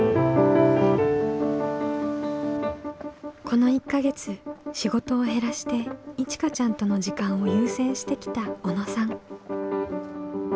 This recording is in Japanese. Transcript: この１か月仕事を減らしていちかちゃんとの時間を優先してきた小野さん。